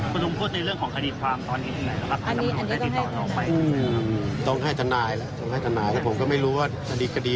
คุณลุงพอจดในเรื่องของคดีความตอนนี้ถึงไหนแล้วครับคุณลุงพอจดได้ติดต่อแล้วออกไป